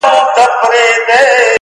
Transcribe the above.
زما د ميني جنډه پورته ښه ده؛